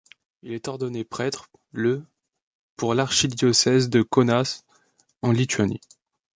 Il est ordonné prêtre le pour l'archidiocèse de Kaunas en Lituanie.